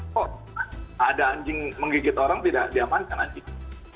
kok ada anjing menggigit orang tidak diamankan anjing